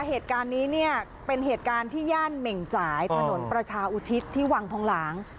เหตุการณ์นี้เนี่ยเป็นเหตุการณ์ที่ย่านเหม่งจ่ายถนนประชาอุทิศที่วังทองหลาง